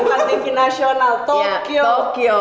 bukan tv nasional tokyo